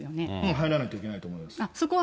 入らなきゃいけないと思いますよ。